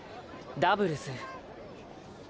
ダブルス。